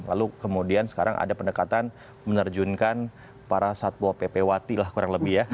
lalu kemudian sekarang ada pendekatan menerjunkan para satpol pp wati lah kurang lebih ya